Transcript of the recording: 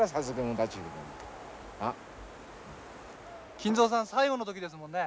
金蔵さん最後の時ですもんね。